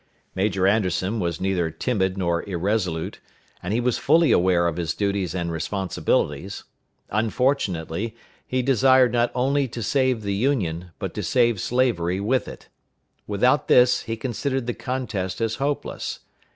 Major Anderson was neither timid nor irresolute, and he was fully aware of his duties and responsibilities. Unfortunately, he desired not only to save the Union, but to save slavery with it. Without this, he considered the contest as hopeless.